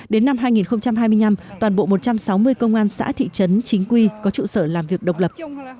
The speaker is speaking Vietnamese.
đến năm hai nghìn hai mươi năm toàn bộ một trăm sáu mươi công an xã thị trấn chính quy có trụ sở làm việc độc lập